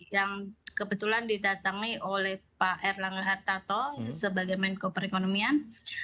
yang kebetulan didatangi oleh pak erlangga hartarto sebagai menko perekonomian